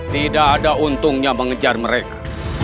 tidak ada untungnya mengejar mereka